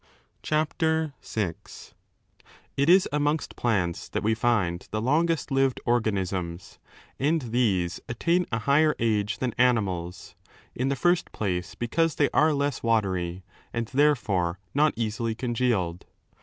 CHAPTER VL It is amongst plants that we find the longest lived organisms, and these attain a higher age than animals, in the first place because they are less watery and therefore not easily congealed.